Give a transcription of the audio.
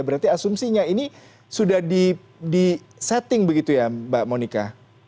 berarti asumsinya ini sudah di setting begitu ya mbak monika